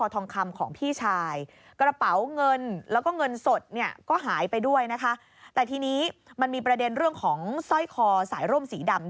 แต่ทีนี้มันมีประเด็นเรื่องของสร้อยคอสายร่มสีดำ